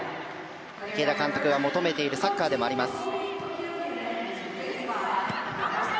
池田監督が求めているサッカーでもあります。